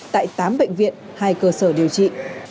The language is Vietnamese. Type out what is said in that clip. tại tám bệnh viện hai cơ sở điều trị